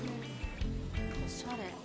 おしゃれ。